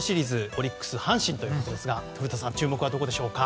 オリックス阪神ということですが注目はどこでしょうか。